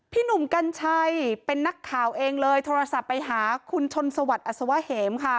หนุ่มกัญชัยเป็นนักข่าวเองเลยโทรศัพท์ไปหาคุณชนสวัสดิอัศวะเหมค่ะ